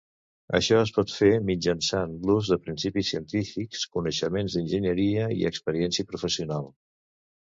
Això es pot fer mitjançant l'ús de principis científics, coneixements d'enginyeria i experiència professional.